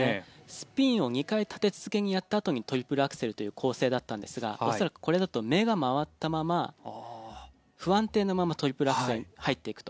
スピンを２回立て続けにやったあとにトリプルアクセルという構成だったんですが恐らくこれだと目が回ったまま、不安定なままトリプルアクセルに入っていくと。